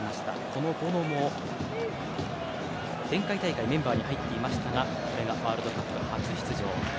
このボノも前回大会メンバーに入っていましたがワールドカップ初出場。